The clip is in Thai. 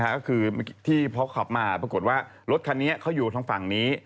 นี่ไงครับก็คือเมื่อกี้ที่พอขับมาปรากฏว่ารถคันนี้เขาอยู่ทางฝั่งนี้